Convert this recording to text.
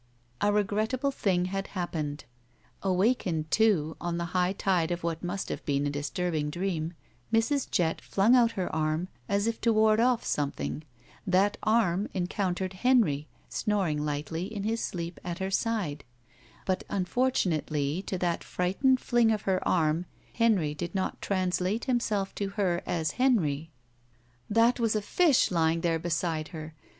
A regrettable thing had happened. Awakened, too, on the high tide of what must have been a disturbing dream, Mrs. Jett fltmg out her arm as if to ward off something. That arm encotmtered Henry, snoring lightly in his sleep at her side. But, unfortunately, to that frightened fling of her arm Henry did not translate himself to her as Henry. That was a fish lying there beside her!